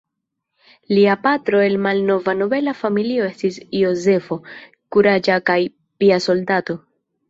Lia patro el malnova nobela familio estis Jozefo, kuraĝa kaj pia soldato.